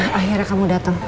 nah akhirnya kamu dateng